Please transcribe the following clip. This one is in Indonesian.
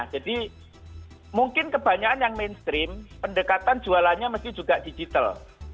jadi mungkin kebanyakan yang mainstream pendekatan jualannya mesti juga digital